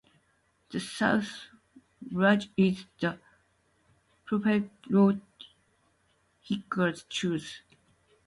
The south ridge is the preferred route hikers choose.